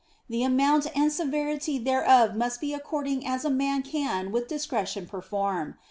The amount and severity thereof must be according as a man can with discretion perform.